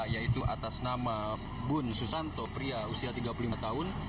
yaitu atas nama bun susanto pria usia tiga puluh lima tahun